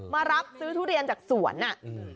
มารับซื้อทุเรียนจากสวนอ่ะอืม